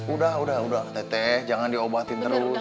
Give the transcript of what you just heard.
udah udah udah tete jangan diobatin terus